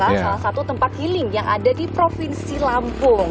salah satu tempat healing yang ada di provinsi lampung